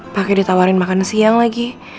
pakai ditawarin makan siang lagi